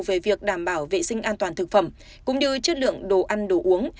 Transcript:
về việc đảm bảo vệ sinh an toàn thực phẩm cũng như chất lượng đồ ăn đồ uống